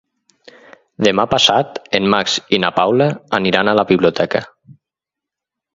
Demà passat en Max i na Paula aniran a la biblioteca.